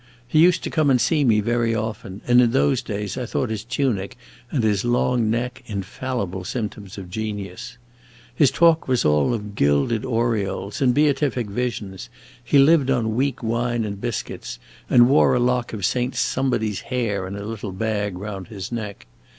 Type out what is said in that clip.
He used to come and see me very often, and in those days I thought his tunic and his long neck infallible symptoms of genius. His talk was all of gilded aureoles and beatific visions; he lived on weak wine and biscuits, and wore a lock of Saint Somebody's hair in a little bag round his neck.